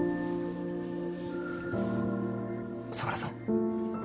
相良さん？